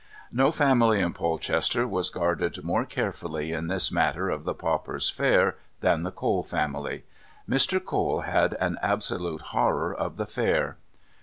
No family in Polchester was guarded more carefully in this matter of the Pauper's Fair than the Cole family. Mr. Cole had an absolute horror of the fair.